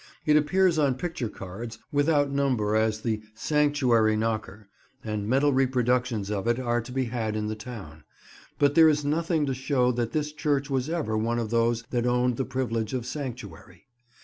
It appears on picture cards without number as the "Sanctuary Knocker," and metal reproductions of it are to be had in the town; but there is nothing to show that this church was ever one of those that owned the privilege of sanctuary.